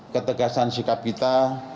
ketegasan sikap kita